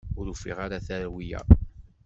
Ur ufiɣ ara tarewla.